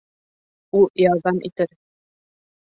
Ул ярҙам итер.